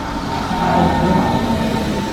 大石砸死蟹